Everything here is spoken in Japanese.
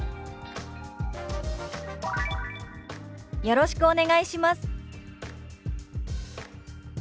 「よろしくお願いします」。